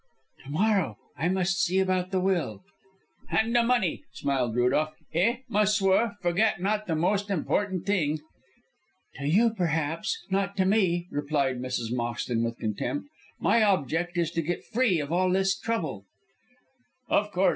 "To morrow. I must see about the will." "And the money," smiled Rudolph. "Eh, ma s[oe]ur, forget not the most important thing." "To you, perhaps, not to me," replied Mrs. Moxton, with contempt. "My object is to get free of all this trouble." "Of course.